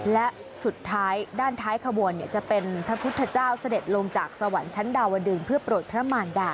และสุดท้ายด้านท้ายขบวนจะเป็นพระพุทธเจ้าเสด็จลงจากสวรรค์ชั้นดาวดึงเพื่อโปรดพระมารดา